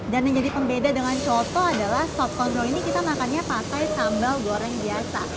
dan yang jadi pembeda dengan coto adalah sobkondro ini kita makannya pakai sambal goreng biasa